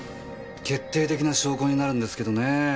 決定的な証拠になるんですけどね。